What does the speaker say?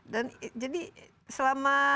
dan jadi selama